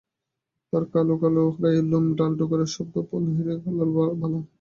তার কালো গায়ে লাল ডোরা দাগের শাড়ি, হাতে মনোহারির লাল বালা।